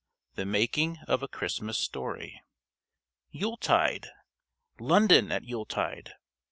THE MAKING OF A CHRISTMAS STORY Yuletide! London at Yuletide!